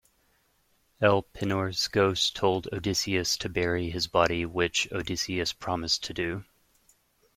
Elpenor's ghost told Odysseus to bury his body, which Odysseus promised to do.